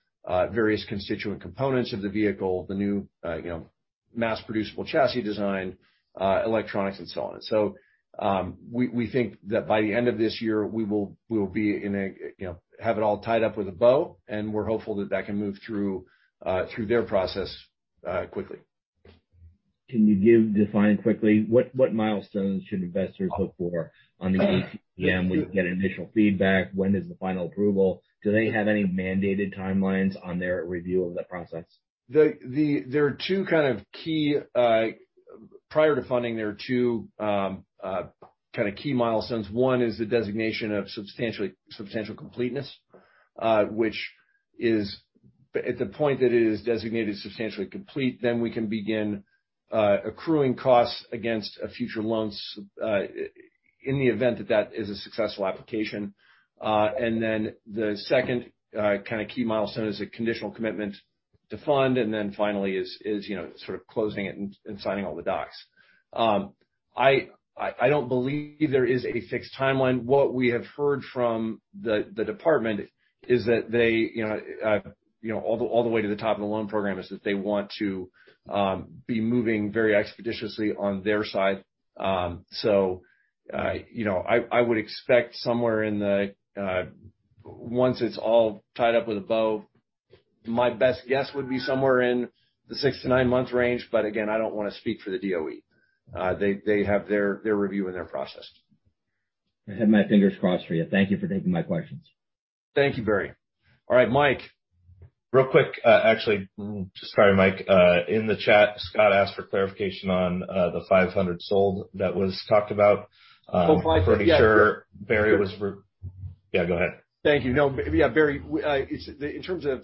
various constituent components of the vehicle, the new, you know, mass producible chassis design, electronics and so on. We think that by the end of this year, we'll be in a, you know, have it all tied up with a bow, and we're hopeful that that can move through their process quickly.
Can you define quickly, what milestones should investors look for on the ATVM? When you get initial feedback, when is the final approval? Do they have any mandated timelines on their review of that process?
Prior to funding, there are two kinda key milestones. One is the designation of substantial completeness, which is at the point that it is designated substantially complete, then we can begin accruing costs against a future loans in the event that that is a successful application. Then the second kinda key milestone is a conditional commitment to fund, and then finally is you know sort of closing it and signing all the docs. I don't believe there is a fixed timeline. What we have heard from the Department is that they you know all the way to the top of the loan program is that they want to be moving very expeditiously on their side. You know, once it's all tied up with a bow, my best guess would be somewhere in the six to nine month range, but again, I don't wanna speak for the DOE. They have their review and their process.
I have my fingers crossed for you. Thank you for taking my questions.
Thank you, Barry. All right, Mike. Real quick. Actually, sorry, Mike, in the chat, Scott asked for clarification on the 500 sold that was talked about. I'm pretty sure Barry was referring to.
Yeah, go ahead.
Thank you. No, yeah, Barry, it's in terms of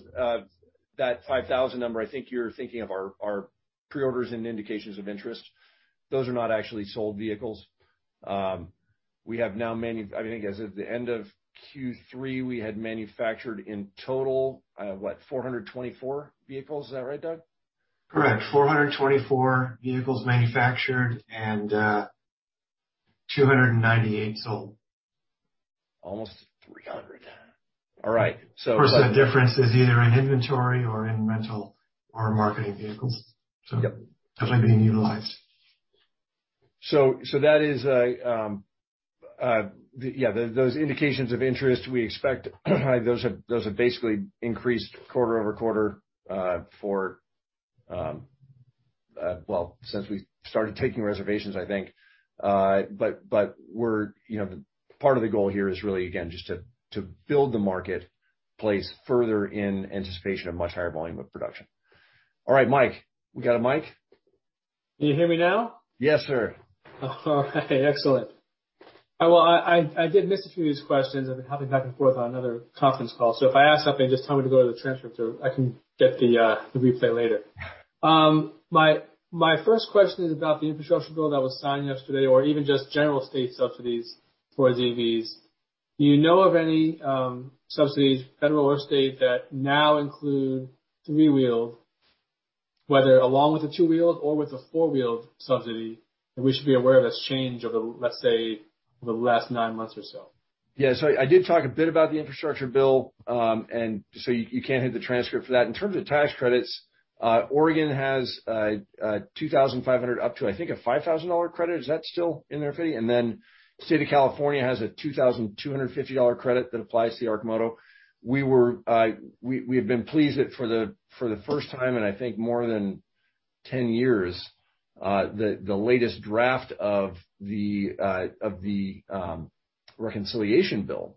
that 5,000 number. I think you're thinking of our pre-orders and indications of interest. Those are not actually sold vehicles. We have now manufactured. I think as of the end of Q3, we had manufactured in total what? 424 vehicles. Is that right, Doug?
Correct. 424 vehicles manufactured and 298 sold.
Almost 300. All right.
Of course, the difference is either in inventory or in rental or marketing vehicles.
Yep.
Definitely being utilized.
Those indications of interest we expect those have basically increased quarter-over-quarter, well, since we started taking reservations, I think. You know, part of the goal here is really again just to build the marketplace further in anticipation of much higher volume of production. All right, Mike. We got a Mike?
Can you hear me now?
Yes, sir.
All right. Excellent. Well, I did miss a few of these questions. I've been hopping back and forth on another conference call. If I ask something, just tell me to go to the transcript so I can get the replay later. My first question is about the infrastructure bill that was signed yesterday or even just general state subsidies for EVs. Do you know of any subsidies, federal or state, that now include three-wheeled, whether along with a two-wheeled or with a four-wheeled subsidy, that we should be aware of as change over, let's say, over the last nine months or so?
Yeah. I did talk a bit about the infrastructure bill, and so you can hit the transcript for that. In terms of tax credits, Oregon has $2,500-$5,000 credit. Is that still in effect? State of California has a $2,250 credit that applies to Arcimoto. We have been pleased that for the first time in I think more than 10 years, the latest draft of the reconciliation bill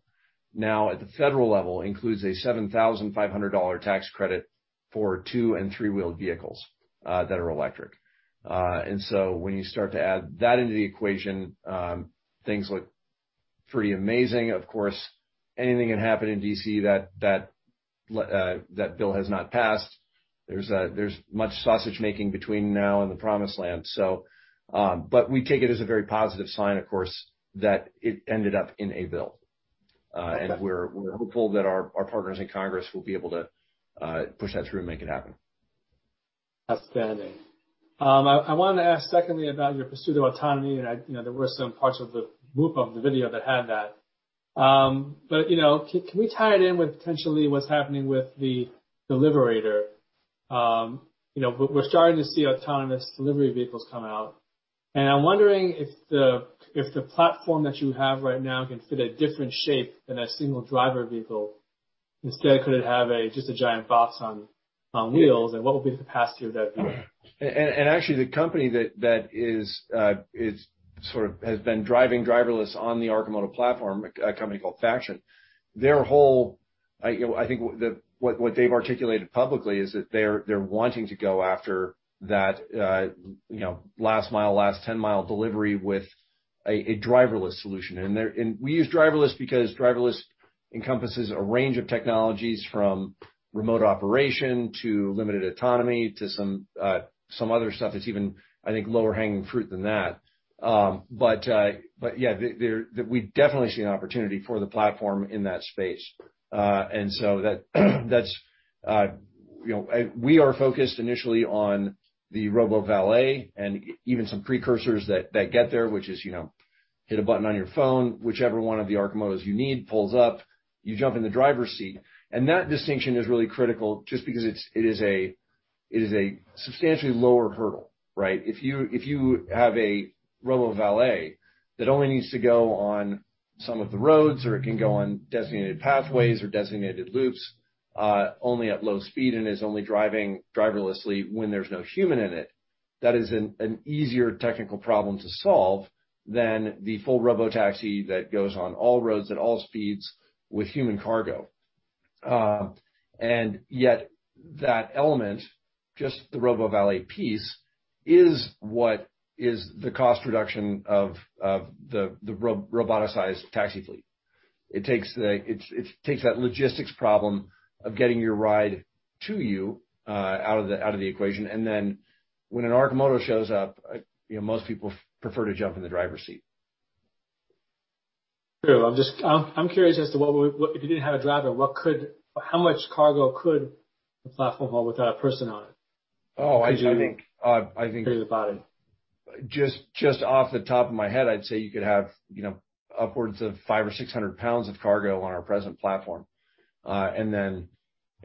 now at the federal level includes a $7,500 tax credit for two and three wheeled vehicles that are electric. When you start to add that into the equation, things look pretty amazing. Of course, anything can happen in D.C., that bill has not passed. There's much sausage-making between now and the promised land, so but we take it as a very positive sign, of course, that it ended up in a bill. We're hopeful that our partners in Congress will be able to push that through and make it happen.
Outstanding. I wanna ask secondly about your pursuit of autonomy. You know, there were some parts of the MOPA, the video, that had that. But you know, can we tie it in with potentially what's happening with the Deliverator? You know, we're starting to see autonomous delivery vehicles come out, and I'm wondering if the platform that you have right now can fit a different shape than a single driver vehicle. Instead, could it have just a giant box on wheels? What would be the capacity of that vehicle?
Actually, the company that is sort of has been driving driverless on the Arcimoto platform, a company called Faction. I you know think what they've articulated publicly is that they're wanting to go after that you know last mile, last 10 mi delivery with a driverless solution. We use driverless because driverless encompasses a range of technologies from remote operation to limited autonomy to some other stuff that's even I think lower hanging fruit than that. But yeah, we definitely see an opportunity for the platform in that space. That's you know. We are focused initially on the Robo-Valet and even some precursors that get there, which is, you know, hit a button on your phone, whichever one of the Arcimotos you need pulls up, you jump in the driver's seat. That distinction is really critical just because it is a substantially lower hurdle, right? If you have a Robo-Valet that only needs to go on some of the roads or it can go on designated pathways or designated loops, only at low speed and is only driving driverlessly when there's no human in it, that is an easier technical problem to solve than the full robotaxi that goes on all roads at all speeds with human cargo. Yet that element, just the Robo-Valet piece, is what is the cost reduction of the roboticized taxi fleet. It takes that logistics problem of getting your ride to you out of the equation, and then when an Arcimoto shows up, you know, most people prefer to jump in the driver's seat.
True. I'm just curious as to what, if you didn't have a driver, how much cargo could the platform hold without a person on it?
I think.
about it.
Just off the top of my head, I'd say you could have, you know, upwards of 500 or 600 lbs of cargo on our present platform. You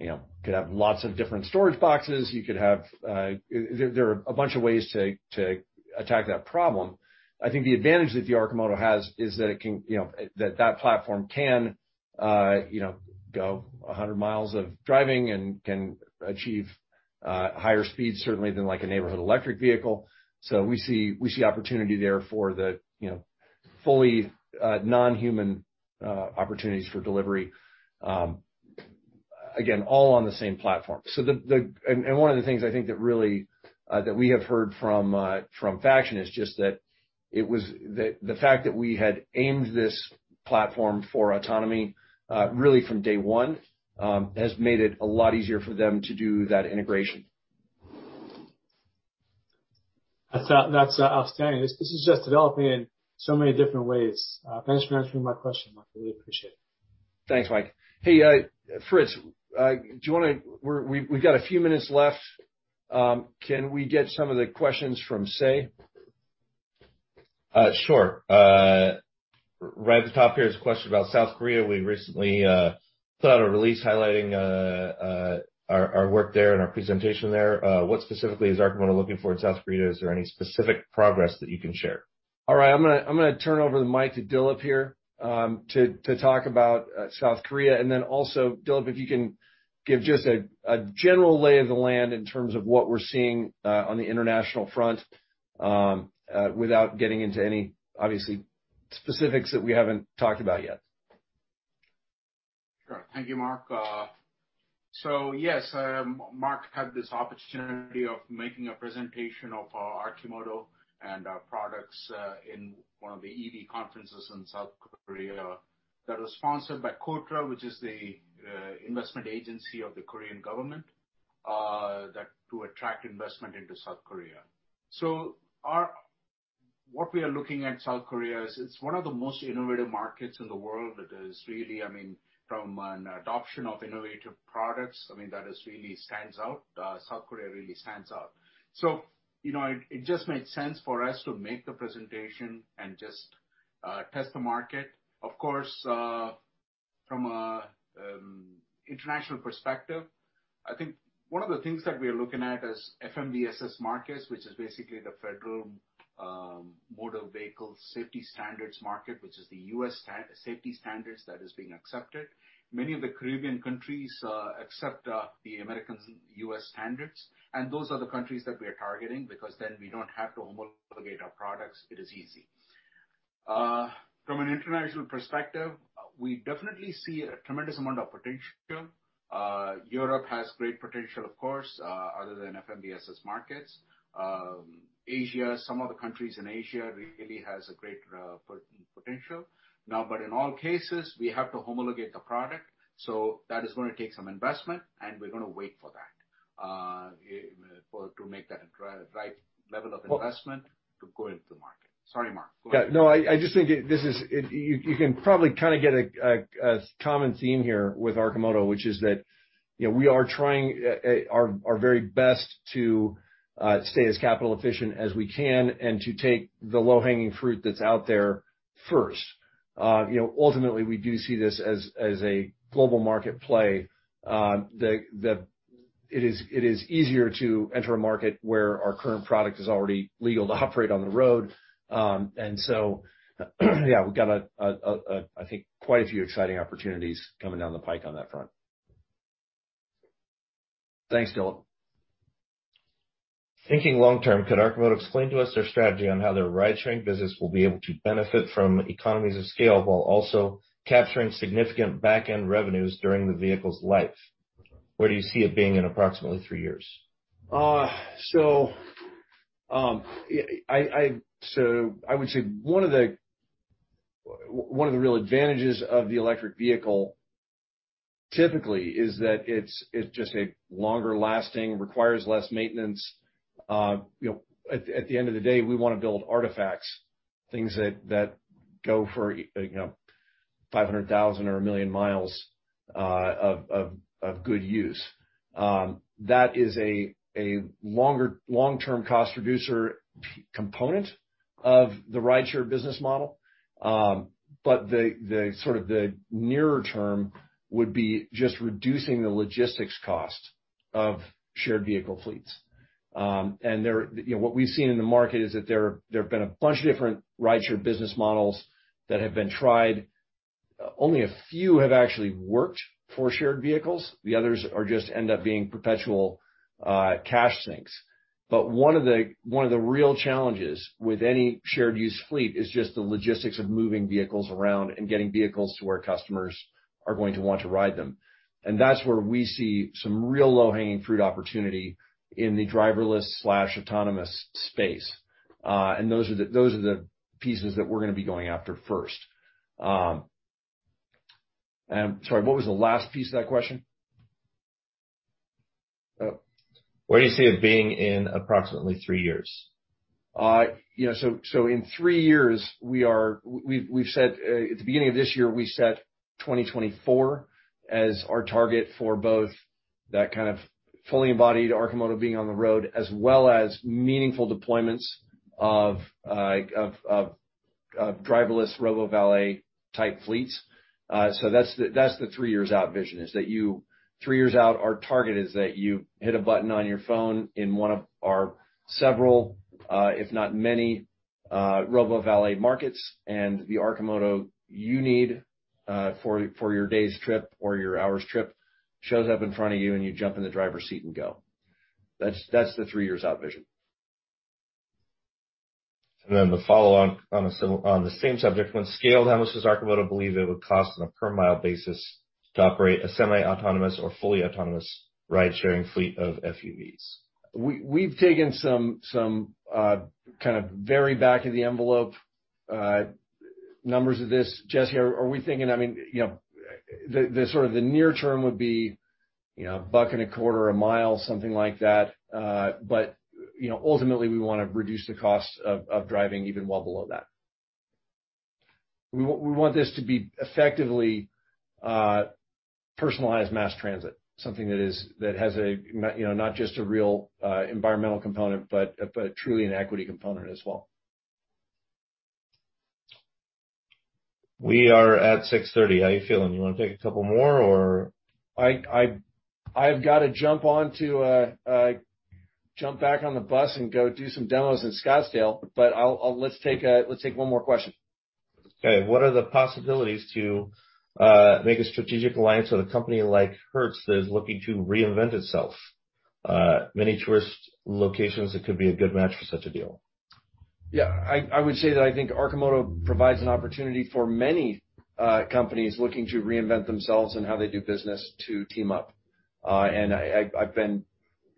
know, you could have lots of different storage boxes. There are a bunch of ways to attack that problem. I think the advantage that the Arcimoto has is that it can, you know, that platform can, you know, go 100 mi of driving and can achieve higher speeds certainly than like a neighborhood electric vehicle. We see opportunity there for the, you know, fully non-human opportunities for delivery, again, all on the same platform. One of the things I think that really that we have heard from Faction is just that it was the fact that we had aimed this platform for autonomy really from day one has made it a lot easier for them to do that integration.
That's outstanding. This is just developing in so many different ways. Thanks for answering my question, Mark. I really appreciate it.
Thanks, Mike Shlisky. Hey, Eric, do you wanna? We've got a few minutes left. Can we get some of the questions from Say?
Sure. Right at the top here is a question about South Korea. We recently put out a release highlighting our work there and our presentation there. What specifically is Arcimoto looking for in South Korea? Is there any specific progress that you can share?
All right. I'm gonna turn over the mic to Dilip here to talk about South Korea. Dilip, if you can give just a general lay of the land in terms of what we're seeing on the international front without getting into any obviously specifics that we haven't talked about yet.
Sure. Thank you, Mark. Yes, Mark had this opportunity of making a presentation of Arcimoto and our products in one of the EV conferences in South Korea that was sponsored by KOTRA, which is the investment agency of the Korean government that to attract investment into South Korea. What we are looking at South Korea is it's one of the most innovative markets in the world. It is really, I mean, from an adoption of innovative products, I mean, that is really stands out. South Korea really stands out. You know, it just made sense for us to make the presentation and just test the market. Of course, from an international perspective, I think one of the things that we are looking at is FMVSS markets, which is basically the federal motor vehicle safety standards market, which is the U.S. safety standards that is being accepted. Many of the Caribbean countries accept the U.S. standards, and those are the countries that we are targeting because then we don't have to homologate our products. It is easy. From an international perspective, we definitely see a tremendous amount of potential. Europe has great potential, of course, other than FMVSS markets. Asia, some of the countries in Asia really has a great potential. Now, in all cases, we have to homologate the product, so that is gonna take some investment, and we're gonna wait for that. In order to make that a desired level of investment.
Well-
to go into the market. Sorry, Mark, go ahead.
Yeah. No, I just think this is. You can probably kind of get a common theme here with Arcimoto, which is that, you know, we are trying our very best to stay as capital efficient as we can and to take the low-hanging fruit that's out there first. You know, ultimately, we do see this as a global market play. It is easier to enter a market where our current product is already legal to operate on the road. Yeah, we've got a I think quite a few exciting opportunities coming down the pike on that front. Thanks, Dilip.
Thinking long term, could Arcimoto explain to us their strategy on how their ridesharing business will be able to benefit from economies of scale while also capturing significant back-end revenues during the vehicle's life? Where do you see it being in approximately three years?
I would say one of the real advantages of the electric vehicle typically is that it's just a longer lasting, requires less maintenance. You know, at the end of the day, we wanna build artifacts, things that go for 500,000 or 1 million mi of good use. That is a longer long-term cost reducer component of the rideshare business model. The sort of nearer term would be just reducing the logistics cost of shared vehicle fleets. You know, what we've seen in the market is that there have been a bunch of different rideshare business models that have been tried. Only a few have actually worked for shared vehicles. The others are just end up being perpetual cash sinks. One of the real challenges with any shared use fleet is just the logistics of moving vehicles around and getting vehicles to where customers are going to want to ride them. That's where we see some real low-hanging fruit opportunity in the driverless slash autonomous space. Those are the pieces that we're gonna be going after first. Sorry, what was the last piece of that question?
Where do you see it being in approximately three years?
In three years, we've set at the beginning of this year 2024 as our target for both that kind of fully embodied Arcimoto being on the road, as well as meaningful deployments of driverless Robo-Valet-type fleets. That's the three years out vision. Three years out, our target is that you hit a button on your phone in one of our several, if not many, Robo-Valet markets, and the Arcimoto you need for your day's trip or your hour's trip shows up in front of you, and you jump in the driver's seat and go. That's the three years out vision.
The follow on the same subject. When scaled, how much does Arcimoto believe it would cost on a per mile basis to operate a semi-autonomous or fully autonomous ridesharing fleet of FUVs?
We've taken some kind of very back-of-the-envelope numbers on this. Jesse here, are we thinking, I mean, you know, the sort of the near term would be, you know, $1.25 a mile, something like that. But, you know, ultimately, we wanna reduce the cost of driving even well below that. We want this to be effectively personalized mass transit, something that is, that has a, you know, not just a real environmental component, but truly an equity component as well.
We are at 6:30. How are you feeling? You wanna take a couple more or?
I've gotta jump back on the bus and go do some demos in Scottsdale, but let's take one more question.
Okay. What are the possibilities to make a strategic alliance with a company like Hertz that is looking to reinvent itself? Many tourist locations, it could be a good match for such a deal.
Yeah. I would say that I think Arcimoto provides an opportunity for many companies looking to reinvent themselves and how they do business to team up. I have been,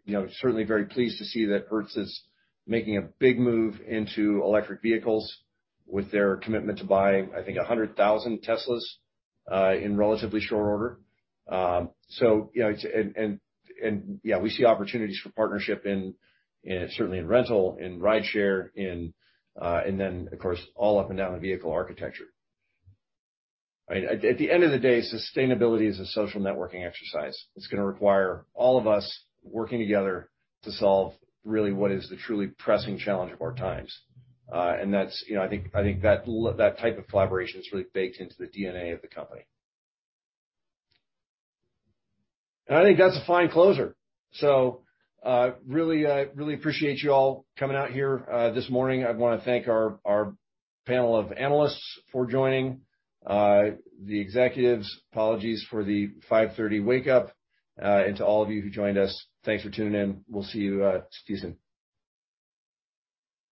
you know, certainly very pleased to see that Hertz is making a big move into electric vehicles with their commitment to buying, I think, 100,000 Teslas in relatively short order. Yeah, we see opportunities for partnership in certainly rental, rideshare, and then, of course, all up and down the vehicle architecture. I mean, at the end of the day, sustainability is a social networking exercise. It's gonna require all of us working together to solve really what is the truly pressing challenge of our times. That's, you know, I think that type of collaboration is really baked into the DNA of the company. I think that's a fine closer. Really appreciate you all coming out here this morning. I wanna thank our panel of analysts for joining. The executives, apologies for the 5:30 A.M. wake up. To all of you who joined us, thanks for tuning in. We'll see you soon.